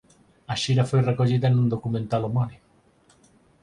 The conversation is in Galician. A xira foi recollida nun documental homónimo.